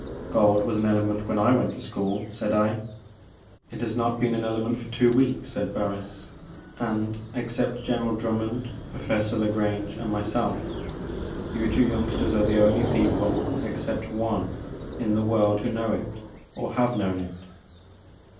" Gold was an element when I went to school," said I. " It has not been an element for two weeks," said Harris ; "and, except General Drummond, Professor I^a Grange, and myself, you two young 8 The Maker of Moons. sters are the only people, except one, in the world who know it,— or have known it.